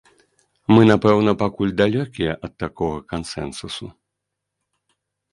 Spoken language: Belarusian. Мы, напэўна, пакуль далёкія ад такога кансэнсусу.